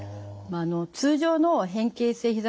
通常の変形性ひざ